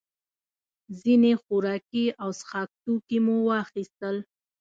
ځینې خوراکي او څښاک توکي مو واخیستل.